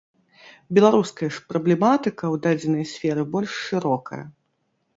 Беларуская ж праблематыка ў дадзенай сферы больш шырокая.